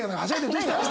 どうした？